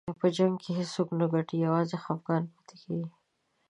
په جنګ کې هېڅوک نه ګټي، یوازې خفګان پاتې کېږي.